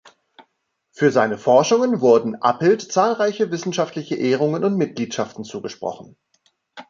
Für seine Forschungen wurden Appelt zahlreiche wissenschaftliche Ehrungen und Mitgliedschaften zugesprochen.